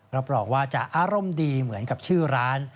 รับรองว่าจะอารมณ์ดีเหมือนกับชื่อร้าน